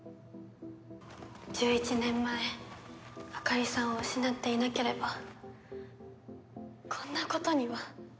１１年前あかりさんを失っていなければこんなことには。